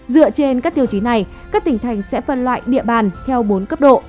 dựa trên các tiêu chí này các tỉnh thành sẽ phân loại địa bàn theo bốn cấp độ